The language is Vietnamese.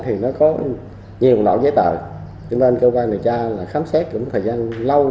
thì thầy cũng đã hướng dẫn